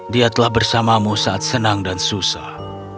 dia telah bersamamu saat senang dan susah